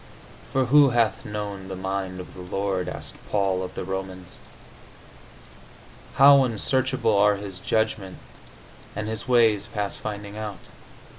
"For who hath known the mind of the Lord?" asked Paul of the Romans. "How unsearchable are his judgments, and his ways past finding out!"